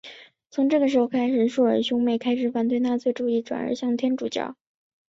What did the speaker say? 从这个时候开始朔尔兄妹开始反对纳粹主义而转向天主教。